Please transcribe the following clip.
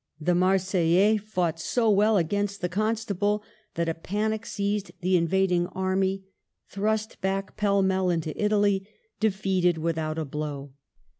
The Marseillais fought so well against the Constable that a panic seized the invading army, thrust back pell mell into Italy, defeated without a blow.